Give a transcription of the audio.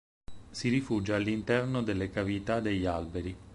Si rifugia all'interno delle cavità degli alberi.